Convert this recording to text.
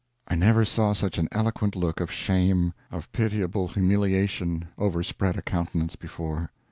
I never saw such an eloquent look of shame, of pitiable humiliation, overspread a countenance before.